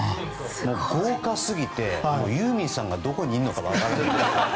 豪華すぎて、ユーミンさんがどこにいるのか分からない。